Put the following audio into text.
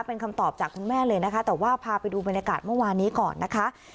เป็นคำตอบจากคุณแม่เลยนะคะแต่ว่าพาไปดูบรรยากาศเมื่อวานนี้ก่อนนะคะ